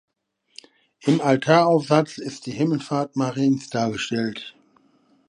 Im Altaraufsatz ist die Himmelfahrt Mariens dargestellt.